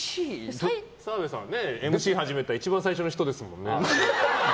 澤部さんはＭＣ始めた一番最初の人ですもんね。